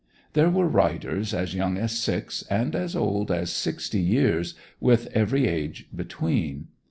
There were riders as young as six, and as old as sixty years, with every age between.